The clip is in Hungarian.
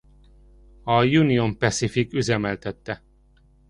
Az Union Pacific üzemeltette.